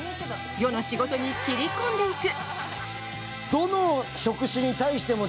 世の仕事に斬り込んでいく！